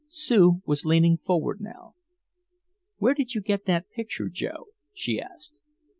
Sue was leaning forward now. "Where did you get that picture, Joe?" she asked.